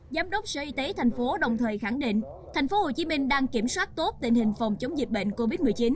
giám đốc sở y tế tp hcm đồng thời khẳng định tp hcm đang kiểm soát tốt tình hình phòng chống dịch bệnh covid một mươi chín